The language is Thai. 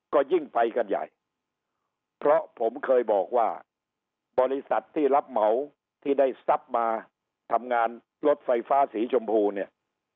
ก็ยิ่งไปกันใหญ่เพราะผมเคยบอกว่าบริษัทที่รับเหมาที่ได้ทรัพย์มาทำงานรถไฟฟ้าสีชมพูเนี่ย